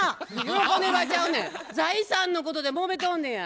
財産のことでもめとんねや。